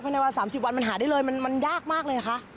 เพราะว่า๓๐วันมันหาได้เลยมันยากมากเลยค่ะ